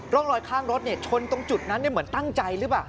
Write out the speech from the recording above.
ร่องรอยข้างรถชนตรงจุดนั้นเหมือนตั้งใจหรือเปล่า